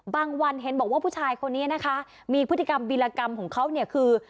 วันเห็นบอกว่าผู้ชายคนนี้นะคะมีพฤติกรรมบีรากรรมของเขาเนี่ยคือ